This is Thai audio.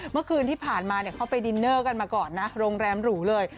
เมื่อคืนที่ผ่านมาเขาไปดินเนอร์กันมาก่อนนะโรงแรมหรูเลย